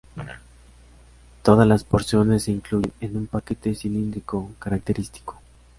Todas las porciones se incluyen en un paquete cilíndrico característico.